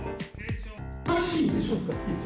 おかしいでしょ。